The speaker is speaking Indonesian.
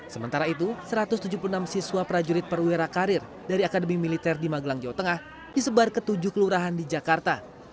sementara itu satu ratus tujuh puluh enam siswa prajurit perwira karir dari akademi militer di magelang jawa tengah disebar ke tujuh kelurahan di jakarta